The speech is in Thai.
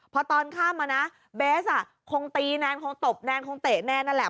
พอตอนค่ำเบสคงตีแนนคงตบแนนคงเตะแนนนั่นแหละ